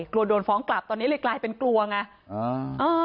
กลัวโดนฟ้องกลับตอนนี้เลยกลายเป็นกลัวไง